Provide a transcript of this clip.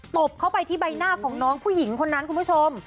บเข้าไปที่ใบหน้าของน้องผู้หญิงคนนั้นคุณผู้ชม